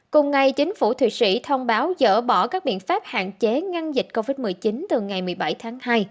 cùng ngày chính phủ thụy sĩ thông báo dỡ bỏ các biện pháp hạn chế ngăn dịch covid một mươi chín từ ngày một mươi bảy tháng hai